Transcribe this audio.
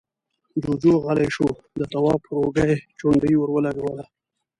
جُوجُو غلی شو، د تواب پر اوږه يې چونډۍ ور ولګوله: